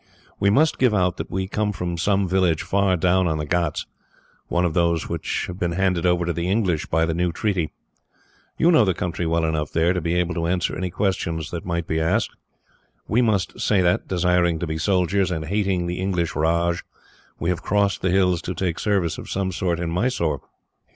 We must give out that we come from some village far down on the ghauts one of those which have been handed over to the English by the new treaty. You know the country well enough there to be able to answer any questions that may be asked. We must say that, desiring to be soldiers, and hating the English raj, we have crossed the hills to take service of some sort in Mysore.